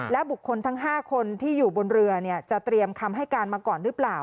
และบุคคลทั้ง๕คนที่อยู่บนเรือจะเตรียมคำให้การมาก่อนหรือเปล่า